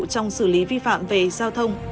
trong xử lý vi phạm về giao thông